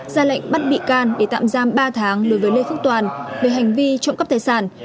ra lệnh bắt bị can để tạm giam ba tháng đối với lê phước toàn về hành vi trộm cắp tài sản